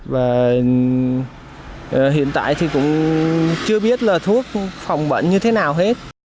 và hiện tại thì cũng chưa biết là thuốc phòng bệnh như thế nào hết